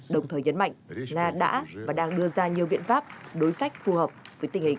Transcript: đồng thời nhấn mạnh nga đã và đang đưa ra nhiều biện pháp đối sách phù hợp với tình hình